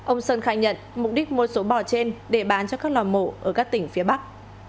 ông sơn khai nhận mục đích mua số bò trên để bán cho các lò mổ ở các tỉnh phía bắc